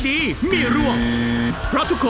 ช่วยฝังดินหรือกว่า